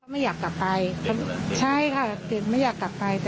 ไม่อยากกลับไปเขาใช่ค่ะเด็กไม่อยากกลับไป